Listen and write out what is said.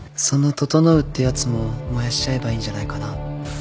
その整ってやつも燃やしちゃえばいいんじゃないかな。